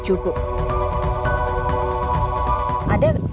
namun tidak cukup